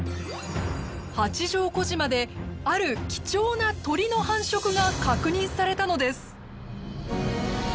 八丈小島である貴重な鳥の繁殖が確認されたのです。